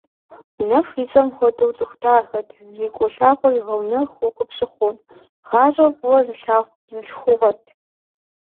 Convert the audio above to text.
Нэху и цӀэм хуэдэу цӀыху дахэт, зрикӀуэ лъагъуэр игъэнэхуу къыпщыхъуу, гъащӀэр фӀыуэ зылъагъу бзылъхугъэт.